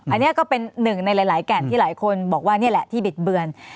อันนี้ก็เป็นหนึ่งในหลายแก่นที่หลายคนบอกว่านี่แหละที่บิดเบือน